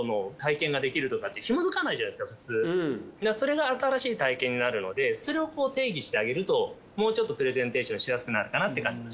それが新しい体験になるのでそれを定義してあげるともうちょっとプレゼンテーションしやすくなるかなって感じ。